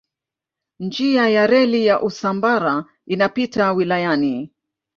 Njia ya reli ya Usambara inapita wilayani.